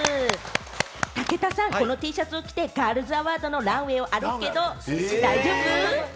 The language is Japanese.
武田さん、このＴシャツ来てガールズアワードのランウェイを歩くけれども大丈夫？